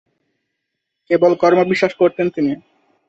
কেবল কর্মে বিশ্বাস করতেন তিনি।